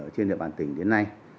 trên địa bàn tỉnh đến nay